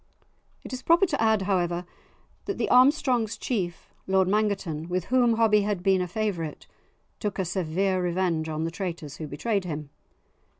It is proper to add, however, that the Armstrong's chief, Lord Mangerton, with whom Hobbie had been a favourite, took a severe revenge on the traitors who betrayed him.